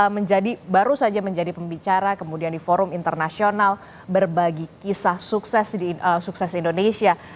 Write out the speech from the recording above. menjadi baru saja menjadi pembicara kemudian di forum internasional berbagi kisah sukses indonesia